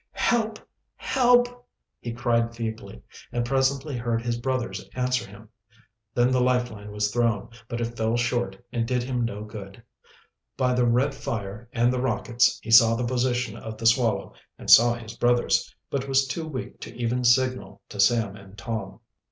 "Help! help!" he cried feebly, and presently heard his brothers answer him. Then the lifeline was thrown, but it fell short and did him no good. By the red fire and the rockets he saw the position of the Swallow, and saw his brothers, but was too weak to even signal to Sam and Tom.